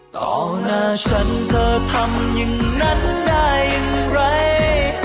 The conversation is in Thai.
ต่อหน้าฉันเธอทำอย่างนั้นได้อย่างไร